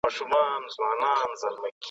هم غل هم غمخور !.